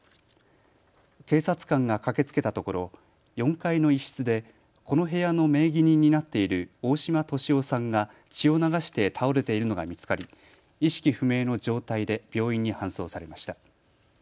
警察官が駆けつけたところ４階の一室でこの部屋の名義人になっている大嶋敏夫さんが血を流して倒れているのが見つかり意識不明の状態で病院に搬送されました。